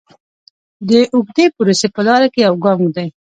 د اوږدې پروسې په لاره کې یو ګام دی.